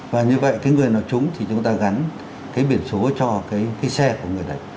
và như vậy cái người nào trúng thì chúng ta gắn cái biển số cho cái xe của người đấy